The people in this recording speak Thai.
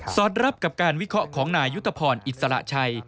อดรับกับการวิเคราะห์ของนายยุทธพรอิสระชัย